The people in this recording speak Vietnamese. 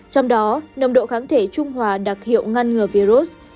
trong đó nồng độ kháng thể trung hòa đặc hiệu ngăn ngừa virus